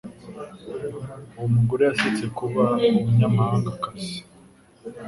uwo mugore yaretse kuba umunyamaharigakazi,